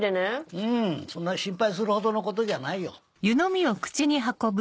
うんそんな心配するほどのことじゃないよ。